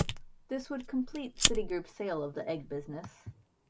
This would complete Citigroup's sale of the Egg business.